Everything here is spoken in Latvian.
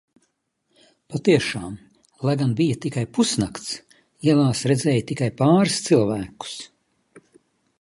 Patiešām, lai gan bija tikai pusnakts, ielās redzēju tikai pāris cilvēkus.